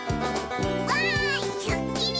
「わーいすーっきり」